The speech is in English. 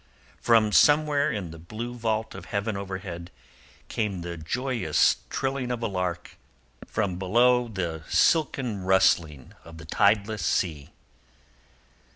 From somewhere in the blue vault of heaven overhead came the joyous trilling of a lark, from below the silken rustling of the tideless sea.